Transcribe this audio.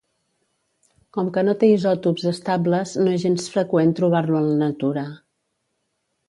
Com que no té isòtops estables, no és gens freqüent trobar-lo en la natura.